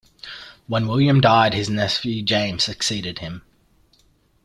When William died his nephew James succeeded him.